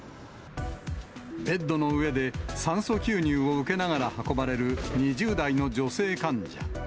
ベッドの上で酸素吸入を受けながら運ばれる２０代の女性患者。